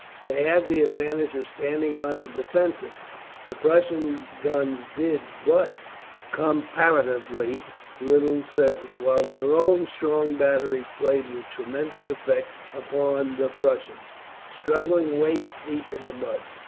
They had the advantage of standing on the defensive. The Prussian guns did but comparatively little service, while their own strong batteries played with tremendous effect upon the Prussians, struggling waist deep in the mud.